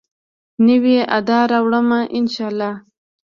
نوي ادا راوړمه، ان شاالله